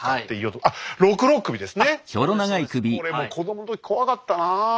これも子供の時怖かったなあ。